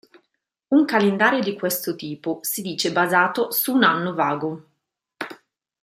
Un calendario di questo tipo si dice basato su un "anno vago".